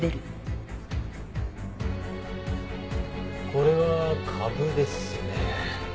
これはかぶですね。